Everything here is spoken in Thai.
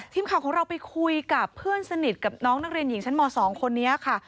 ทีมข่าวของเราไปคุยกับเพื่อนสนิทกับน้องนักเรียนหญิงชั้นม๒คนนี้ค่ะ